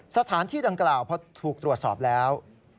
สถานที่ดังกล่าวพอถูกตรวจสอบแล้ว